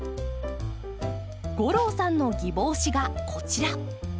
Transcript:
吾郎さんのギボウシがこちら。